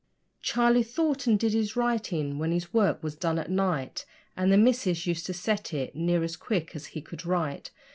Charlie thought and did his writing when his work was done at night, And the missus used to 'set' it near as quick as he could write.